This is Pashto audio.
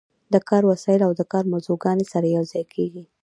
د کار وسایل او د کار موضوعګانې سره یوځای کیږي.